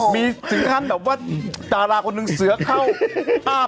มีสินคันแบบว่าดาราคนหนึ่งเสื้อเข้า